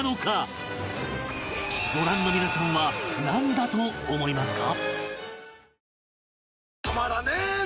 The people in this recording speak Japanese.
ご覧の皆さんはなんだと思いますか？